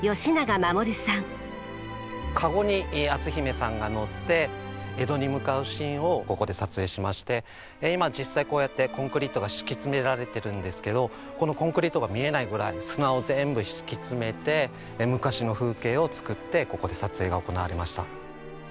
かごに篤姫さんが乗って江戸に向かうシーンをここで撮影しまして今実際こうやってコンクリートが敷き詰められてるんですけどこのコンクリートが見えないぐらい砂を全部敷き詰めて昔の風景を作ってここで撮影が行われました。